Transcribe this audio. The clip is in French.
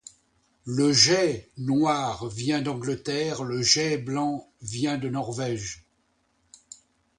Le jais noir vient d'Angleterre, le jais blanc vient de Norvège.